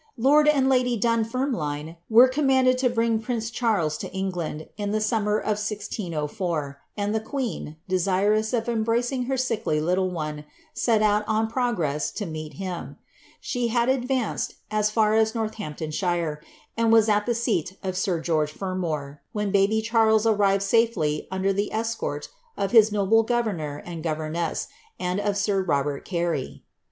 Lord and lady Dunfermline were conimanded to prince Charles to England, in the summer of 1604, and the quean, OS of embracing her sickly little one, set out on progress to meet She had advanced as far as Northamptonshire, and was at the seat George Fermor, when ^ baby Charles'' arrived safely under the of his noble governor and governess, and of sir Robert Carey.